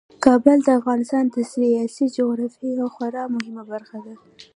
کابل د افغانستان د سیاسي جغرافیې یوه خورا مهمه برخه ده.